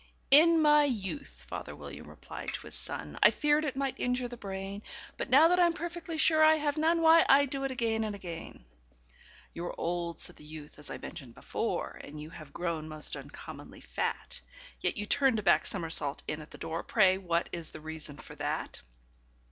"In my youth," father William replied to his son, "I feared it might injure the brain; But, now that I'm perfectly sure I have none, Why, I do it again and again." "You are old," said the youth, "as I mentioned before, And you have grown most uncommonly fat; Yet you turned a back somersault in at the door Pray what is the reason for that?"